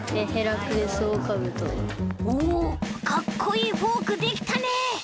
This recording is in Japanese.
おおかっこいいフォークできたね！